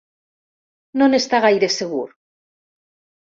No n'està gaire segur.